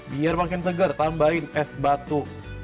biar makin seger tambahin es batu